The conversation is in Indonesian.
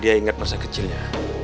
dia ingat masa kecilnya